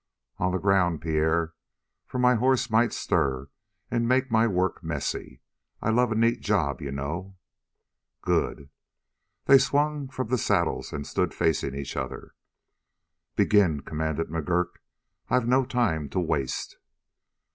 "On the ground, Pierre, for my horse might stir and make my work messy. I love a neat job, you know." "Good." They swung from the saddles and stood facing each other. "Begin!" commanded McGurk. "I've no time to waste."